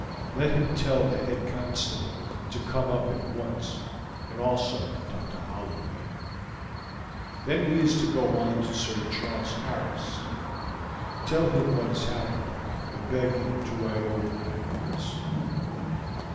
Let him tell the head constable to come up at once, and also Dr. Holloway. Then he is to go on to Sir Charles Harris, tell him what has happened, and beg him to ride over at once.